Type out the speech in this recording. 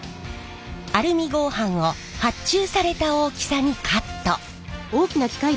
アルミ合板を発注された大きさにカット。